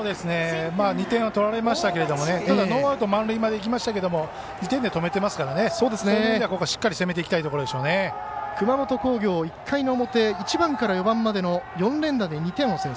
２点を取られましたがただ、ノーアウト満塁までいきましたが２点でとめてますからそういう意味ではここはしっかり熊本工業、１回の表１番から４番までの４連打で２点を先制。